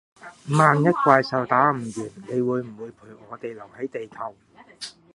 萬一怪獸打唔完，你會不會陪我留係地球？